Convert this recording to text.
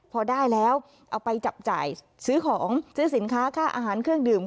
พอได้แล้วเอาไปจับจ่ายซื้อของซื้อสินค้าค่าอาหารเครื่องดื่ม